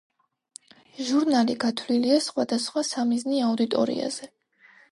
ჟურნალი გათვლილია სხვადასხვა სამიზნე აუდიტორიაზე.